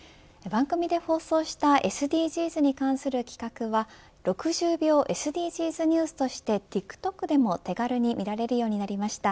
番組で放送したＳＤＧｓに関する企画は６０秒ＳＤＧｓＮｅｗｓとしてＴｉｋＴｏｋでも手軽に見られるようになりました。